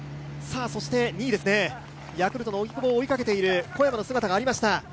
２位ですね、ヤクルトの荻久保を追いかけている小山の姿がありました。